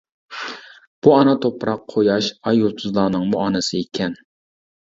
بۇ ئانا تۇپراق قۇياش، ئاي يۇلتۇزلارنىڭمۇ ئانىسى ئىكەن.